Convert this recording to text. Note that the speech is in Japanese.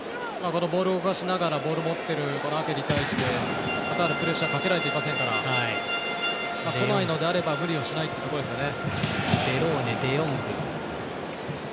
ボールを動かしながらボール持ってるアケに対してカタールはプレッシャーをかけられていませんからこないのであれば無理をしないというところですよね。